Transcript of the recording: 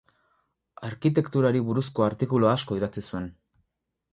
Arkitekturari buruzko artikulu asko idatzi zuen.